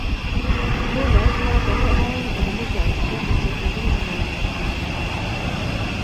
Lugait noto ko aeng eng lugaishek chekigiloli eng Uganda.